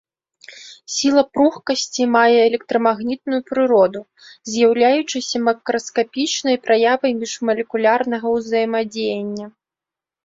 Сіла пругкасці мае электрамагнітную прыроду, з'яўляючыся макраскапічнай праявай міжмалекулярнага ўзаемадзеяння.